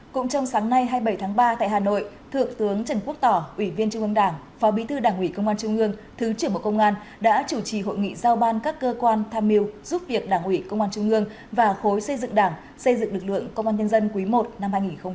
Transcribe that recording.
cũng trong sáng nay hai mươi bảy tháng ba tại hà nội thượng tướng trần quốc tỏ ủy viên trung ương đảng phó bí thư đảng ủy công an trung ương thứ trưởng bộ công an đã chủ trì hội nghị giao ban các cơ quan tham mưu giúp việc đảng ủy công an trung ương và khối xây dựng đảng xây dựng lực lượng công an nhân dân quý i năm hai nghìn hai mươi bốn